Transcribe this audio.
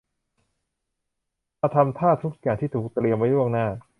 มาทำท่าทุกอย่างที่ถูกเตรียมไว้ล่วงหน้า